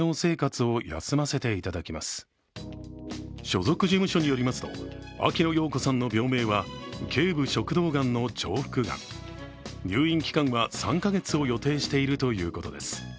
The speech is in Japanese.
所属事務所によりますと秋野暢子さんの病名は頸部食道がんの重複がん、入院期間は３カ月を予定しているということです。